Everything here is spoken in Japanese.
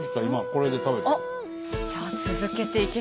今これで食べて。